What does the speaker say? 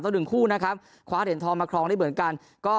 หนึ่งคู่นะครับคว้าเหรียญทองมาครองได้เหมือนกันก็